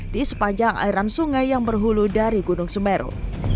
di sepanjang aliran sungai yang berhulu dari gunung semeru